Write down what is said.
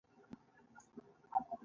د سترګو په کونجونو کې یې برګ برګ راکتل.